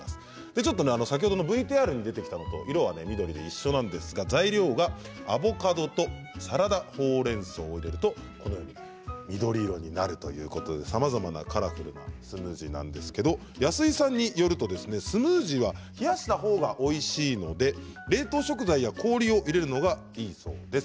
ちょっと先ほどのＶＴＲに出てきたのと緑で色は一緒なんですが材料はアボカドとサラダほうれんそうを入れると緑色になるということでさまざまなカラフルなスムージーなんですけれど安井さんによるとスムージーは冷やしたほうがおいしいので冷凍食材や氷を入れるのがいいそうです。